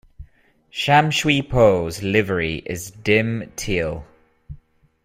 Sham Shui Po's livery is dim teal.